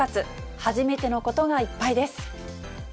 初めてのことがいっぱいです。